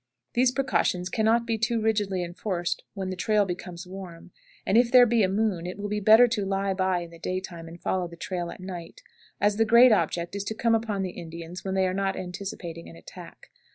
These precautions can not be too rigidly enforced when the trail becomes "warm;" and if there be a moon, it will be better to lie by in the daytime and follow the trail at night, as the great object is to come upon the Indians when they are not anticipating an attack.